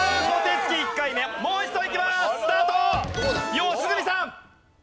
良純さん！